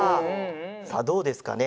さあどうですかね？